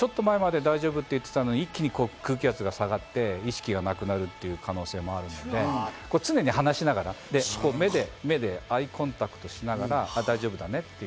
ちょっと前まで大丈夫って言ってたのに一気に空気圧が下がって意識がなくなるという可能性もあるので常に話しながら、目でアイコンタクトをしながら大丈夫だねって。